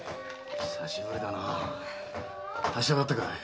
久しぶりだな達者だったかい。